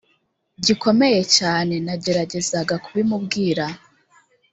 gikomeye cyane nageragezaga kubimubwira